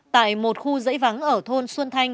tại một khu giấy vắng ở thôn xuân thanh